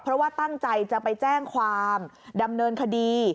เพราะว่าตั้งใจจะไปแจ้งความดำเนินคดี